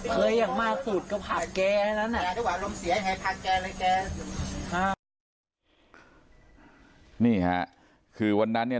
เคยยังมาฝูดก็ผ่าแกรก์แล้วนั่นอ่ะอ่ะนี่ฮะคือวันนั้นเนี่ย